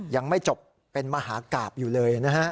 ยังไม่จบเป็นมหากราบอยู่เลยนะฮะ